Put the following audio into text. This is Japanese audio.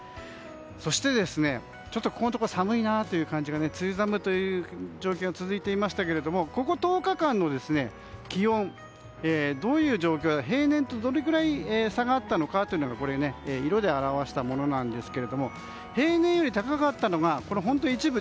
そして、ここのところ寒いなという感じ梅雨寒という状況が続いていましたけどもここ１０日間の気温がどういう状況か平年とどれくらい差があったのか色で表したものなんですが平年より高かったのが本当に一部。